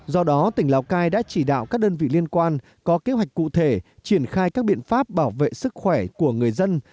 do đó tỉnh lào cai đã chỉ đạo các đơn vị liên quan có kế hoạch cụ thể triển khai các biện pháp bảo vệ sức khỏe của người dân